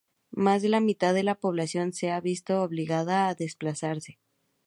Más de la mitad de la población se ha visto obligada a desplazarse.